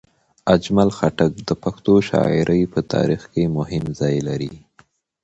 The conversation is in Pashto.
اجمل خټک د پښتو شاعرۍ په تاریخ کې مهم ځای لري.